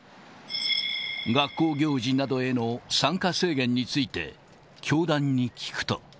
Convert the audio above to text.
学校行事などへの参加制限について、教団に聞くと。